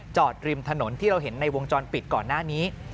ริมถนนที่เราเห็นในวงจรปิดก่อนหน้านี้